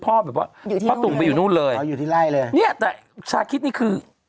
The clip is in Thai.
พ่ออยู่ที่ไล่นี่คือ